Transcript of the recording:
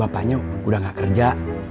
bapaknya udah gak kerja